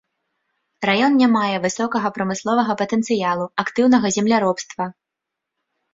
Раён не мае высокага прамысловага патэнцыялу, актыўнага земляробства.